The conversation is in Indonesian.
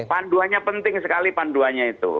panduannya penting sekali panduannya itu